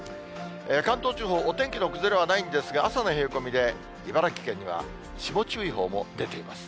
関東地方、お天気の崩れはないんですが、朝の冷え込みで茨城県には霜注意報も出ています。